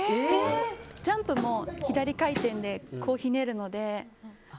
ジャンプも左回転でひねるので。